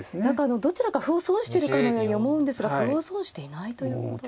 どちらか歩を損してるかのように思うんですが歩を損していないということですか。